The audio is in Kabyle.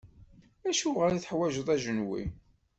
Acuɣer i teḥwaǧeḍ ajenwi?